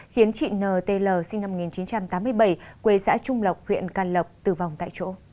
khiến chị n t l sinh năm một nghìn chín trăm tám mươi bảy quê xã trung lộc huyện can lộc tử vong tại chỗ